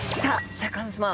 シャーク香音さま